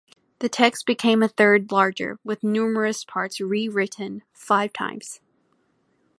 The text became a third larger, with numerous parts rewritten five times.